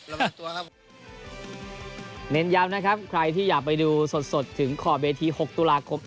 ตัวครับเน้นย้ำนะครับใครที่อยากไปดูสดสดถึงขอบเวที๖ตุลาคม